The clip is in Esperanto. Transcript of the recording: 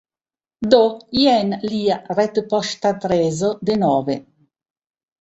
Do, jen lia retpoŝtadreso denove